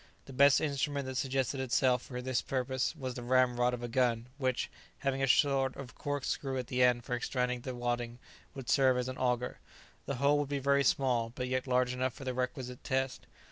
The best instrument that suggested itself for his purpose was the ramrod of a gun, which, having a sort of corkscrew at the end for extracting the wadding, would serve as an auger. The hole would be very small, but yet large enough for the requisite test.